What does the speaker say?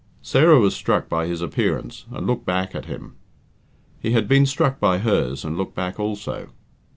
Sarah was struck by his appearance, and looked back at him. He had been struck by hers, and looked back also.